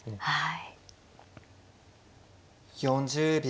はい。